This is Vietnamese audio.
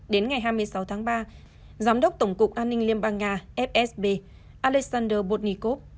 đến ngày hai mươi sáu tháng ba giám đốc tổng cục an ninh liên bang nga fsb alexander bonnikov